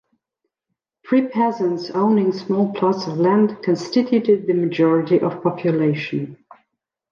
Free peasants owning small plots of land constituted the majority of population.